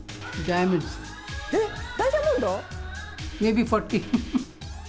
えっ、ダイヤモンド？